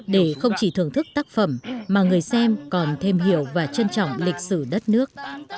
để không chỉ thưởng thức tác phẩm mà người xem còn thêm hiểu và trân trọng lịch sử đất nước